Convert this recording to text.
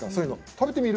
食べてみる？